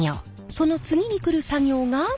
その次に来る作業が。